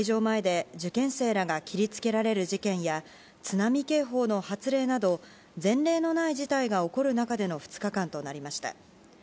前で受験生らが切り付けられる事件や津波警報の発令など前例のない事態が起こる中での２日間となりました。